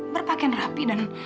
berpakaian rapi dan